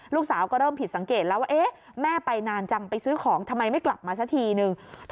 ลูกสาวก็เริ่มผิดสังเกตแล้วว่าแม่ไปนานจังไปซื้อของทำไมไม่กลับมาสักทีนึง